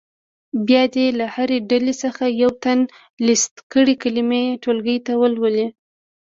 بیا دې له هرې ډلې څخه یو تن لیست کړې کلمې ټولګي ته ولولي.